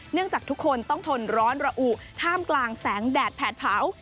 จากทุกคนต้องทนร้อนระอุท่ามกลางแสงแดดแผดเผา